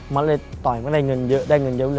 มันเลยต่อยมาได้เงินเยอะได้เงินเยอะ